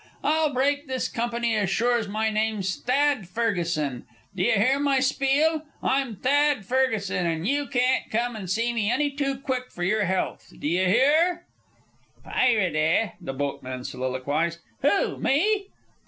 I'll break this company as sure as my name's Thad Ferguson! D'ye hear my spiel? I'm Thad Ferguson, and you can't come and see me any too quick for your health! D'ye hear?" "Pirate; eh?" the boatman soliloquized. "Who? Me?"